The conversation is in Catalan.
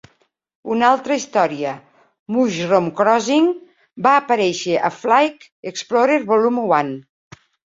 Una altra història, "Mushroom Crossing", va aparèixer a "Flight Explorer Volume One".